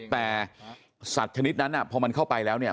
แต่สัตว์ชนิดนั้นพอมันเข้าไปแล้วเนี่ย